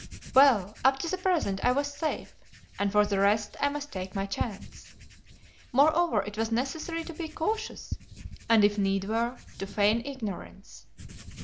Well, up to the present I was safe, and for the rest I must take my chance. Moreover it was necessary to be cautious, and, if need were, to feign ignorance.